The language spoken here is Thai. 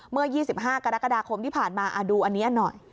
เมื่อ๒๕กรกฎาคมที่ผ่านมาดูอันนี้หน่อย